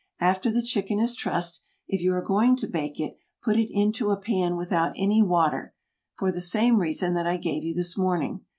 After the chicken is trussed, if you are going to bake it, put it into a pan without any water, for the same reason that I gave you this morning.